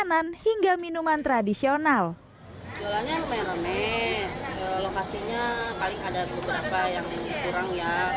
tapi kalau sampai sekarang kurang